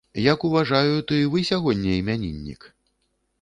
Як уважаю, то і вы сягоння імяніннік.